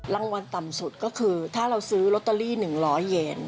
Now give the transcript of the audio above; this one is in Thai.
รางวัลต่ำสุดก็คือถ้าเราซื้อลอตเตอรี่๑๐๐เยน